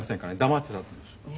黙ってたんです。